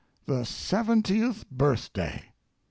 The seventieth birthday!